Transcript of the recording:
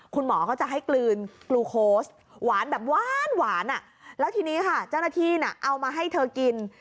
คุณหมอจะให้กลืนกลูโคสต์หวานแบบหวานอ่ะแล้วที่นี้เจ้าหน้าที่อ้าวมาให้เธอกิน